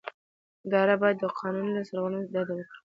اداره باید د قانون له سرغړونې ډډه وکړي.